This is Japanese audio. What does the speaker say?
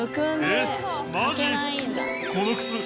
えっマジ？